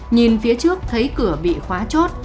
nhìn phía trước thấy cửa bị khóa chốt